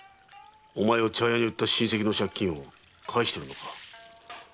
お前を茶屋に売った親戚の借金を返しているのか。